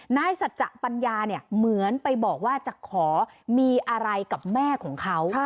นายสัจจะปัญญาเนี่ยเหมือนไปบอกว่าจะขอมีอะไรกับแม่ของเขา